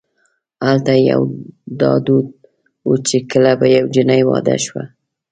هلته یو دا دود و چې کله به یوه جنۍ واده شوه.